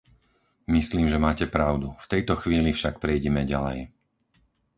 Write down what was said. Myslím, že máte pravdu, v tejto chvíli však prejdime ďalej.